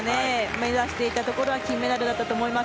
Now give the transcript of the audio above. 目指していたところは金メダルだったと思います。